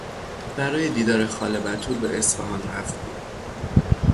برای دیدار خاله بتول به اصفهان رفتیم.